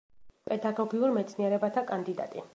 პედაგოგიურ მეცნიერებათა კანდიდატი.